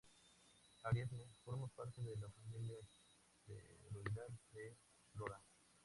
Ariadne forma parte de la familia asteroidal de Flora.